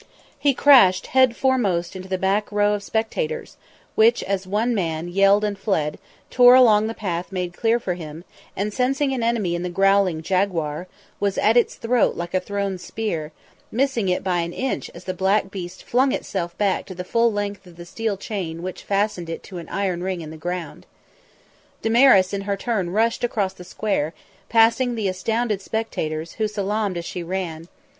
He crashed head foremost into the back row of spectators, which, as one man, yelled and fled; tore along the path made clear for him, and sensing an enemy in the growling jaguar, was at its throat like a thrown spear; missing it by an inch as the black beast flung itself back to the full length of the steel chain which fastened it to an iron ring in the ground. Damaris in her turn rushed, across the square, passing the astounded spectators, who salaamed as she ran.